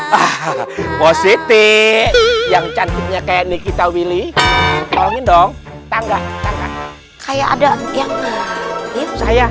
hai ah positif yang cantiknya kayak nikita willy tolongin dong tangga kayak ada yang saya